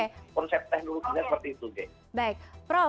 jadi konsep teknologinya seperti itu